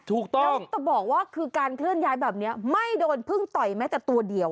ต้องจะบอกว่าคือการเคลื่อนย้ายแบบนี้ไม่โดนพึ่งต่อยแม้แต่ตัวเดียว